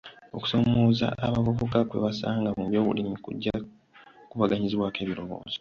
Okusoomooza abavubuka kwe basanga mu by'obulimi kujja kkubaganyizibwako ebirowoozo.